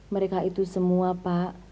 mereka itu semua pak